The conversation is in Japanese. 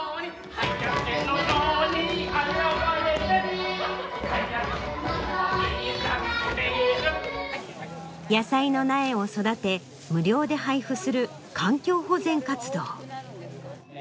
「疾風のように去って行く」野菜の苗を育て無料で配布する環境保全活動。